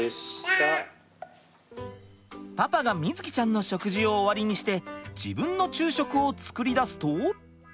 パパが瑞己ちゃんの食事を終わりにして自分の昼食を作りだすと。